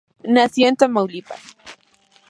Nació en Tamaulipas.